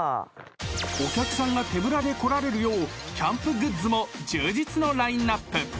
［お客さんが手ぶらで来られるようキャンプグッズも充実のラインアップ］